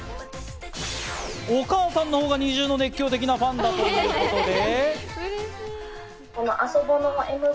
お母さんのほうがＮｉｚｉＵの熱狂的なファンだということで。